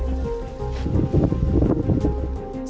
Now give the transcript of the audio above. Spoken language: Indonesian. berdasarkan data bppd gerobokan